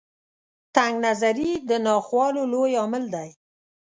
تنګ نظري د ناخوالو لوی لامل دی.